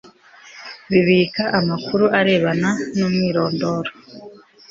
bibika amakuru arebana n umwirondoro